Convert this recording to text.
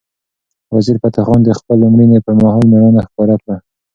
وزیرفتح خان د خپلې مړینې پر مهال مېړانه ښکاره کړه.